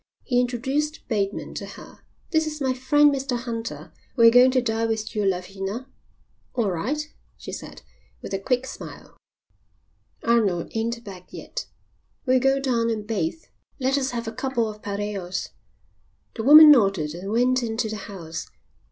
He introduced Bateman to her. "This is my friend Mr Hunter. We're going to dine with you, Lavina." "All right," she said, with a quick smile. "Arnold ain't back yet." "We'll go down and bathe. Let us have a couple of pareos." The woman nodded and went into the house.